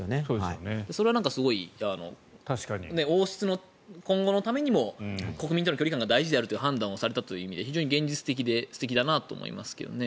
それはすごい王室の今後のためにも国民との距離感が大事であるという判断をされたという意味で非常に現実的で素敵だなと思いますけどね。